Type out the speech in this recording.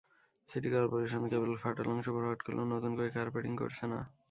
City corporation কেবল ফাটল অংশ ভরাট করলেও নতুন করে কার্পেটিং করছে না।